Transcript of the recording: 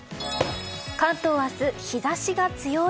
関東は明日、日差しが強い。